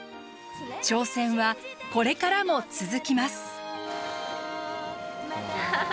挑戦はこれからも続きます。